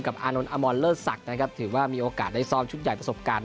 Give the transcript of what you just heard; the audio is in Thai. อานนท์อมรเลิศศักดิ์นะครับถือว่ามีโอกาสได้ซ้อมชุดใหญ่ประสบการณ์